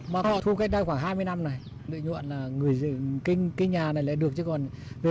mà họ thu cách đây khoảng hai mươi năm này lựa nhuận là người dựng kinh cái nhà này lại được chứ còn về